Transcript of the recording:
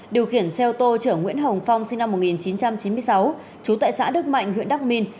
điều khiển xe ô tô chở nguyễn hồng phong sinh năm một nghìn chín trăm chín mươi sáu trú tại xã đức mạnh huyện đắc minh